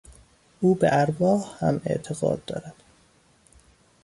او به ارواح هم اعتقاد دارد.